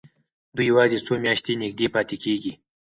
دوی یوازې څو میاشتې نږدې پاتې کېږي.